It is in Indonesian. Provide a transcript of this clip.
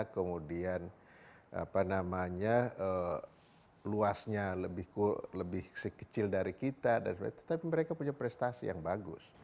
kemudian luasnya lebih kecil dari kita tetapi mereka punya prestasi yang bagus